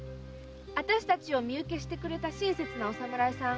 あたしたちを身請けしてくれた親切なお侍さん